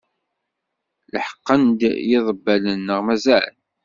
Leḥqen-d yiḍebbalen, neɣ mazal?